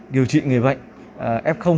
điều trị người bệnh f